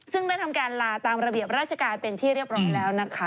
ซึ่งได้ทำการลาตามระเบียบราชการเป็นที่เรียบร้อยแล้วนะคะ